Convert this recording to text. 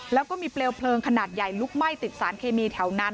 แล้วก็มีเปลวเพลิงขนาดใหญ่ลุกไหม้ติดสารเคมีแถวนั้น